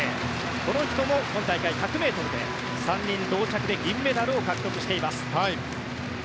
この人も今大会１００ｍで３人同着で銀メダルを獲得。